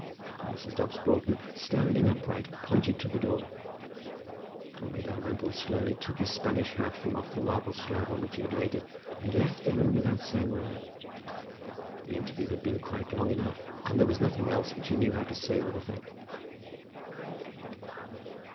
And Mrs. Dobbs Broughton, standing upright, pointed to the door. Conway Dalrymple slowly took his Spanish hat from off the marble slab on which he had laid it, and left the room without saying a word. The interview had been quite long enough, and there was nothing else which he knew how to say with effect.